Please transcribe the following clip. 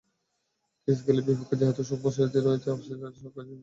Chris গেইলের বিপক্ষে যেহেতু সুখস্মৃতি আছে, অফস্পিনার সোহাগ গাজীরও খেলার ভালো সম্ভাবনা।